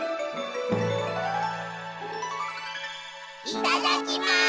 いただきます！